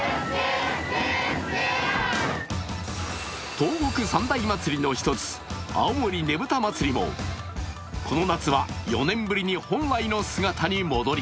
東北三大祭りの一つ、青森ねぶた祭もこの夏は４年ぶりに本来の姿に戻り